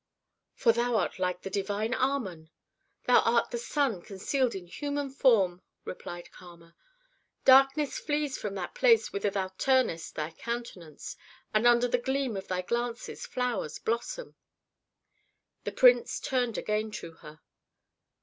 "For thou art like the divine Amon; thou art the sun concealed in human form," replied Kama. "Darkness flees from that place whither thou turnest thy countenance, and under the gleam of thy glances flowers blossom." The prince turned again to her.